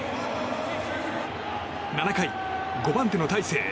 ７回、５番手の大勢。